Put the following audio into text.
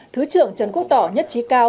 thứ trưởng trần quốc tỏ nhất trí cao